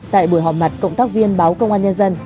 tại buổi họp mặt cộng tác viên báo công an nhân dân